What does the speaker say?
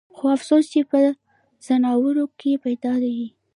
خو افسوس چې پۀ ځناورو کښې پېدا ئې